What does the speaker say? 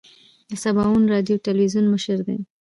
د سباوون راډیو تلویزون مشر دی.